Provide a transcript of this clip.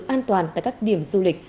an toàn tại các điểm du lịch